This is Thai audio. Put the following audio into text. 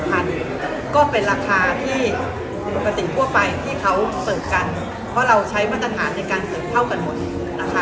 ก็เป็นราคาที่ปกติทั่วไปที่เขาเสิร์ฟกันเพราะเราใช้มาตรฐานในการเสิร์ฟเท่ากันหมดนะคะ